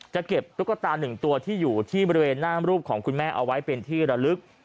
จะเก็บตุ๊กตาหนึ่งตัวที่อยู่ที่บริเวณหน้ามรูปของคุณแม่เอาไว้เป็นที่ระลึก